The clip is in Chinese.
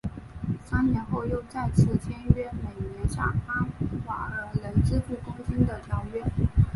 三年后又再次签订每年向阿瓦尔人支付贡金的条约。